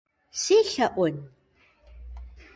Селъэӏун?